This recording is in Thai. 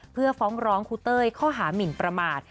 เพื่อฟ้องร้องครูเต้ยข้อหามินประมาท